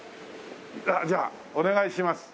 じゃあお願いします。